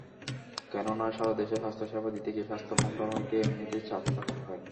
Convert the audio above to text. কেননা, সারা দেশে স্বাস্থ্যসেবা দিতে গিয়ে স্বাস্থ্য মন্ত্রণালয়কে এমনিতেই চাপে থাকতে হয়।